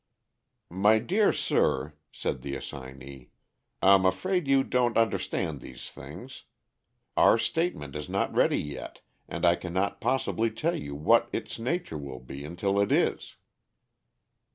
"My dear sir," said the assignee, "I'm afraid you don't understand these things. Our statement is not ready yet, and I can not possibly tell you what its nature will be until it is."